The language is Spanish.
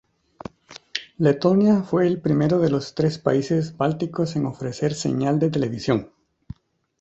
Letonia fue el primero de los tres países bálticos en ofrecer señal de televisión.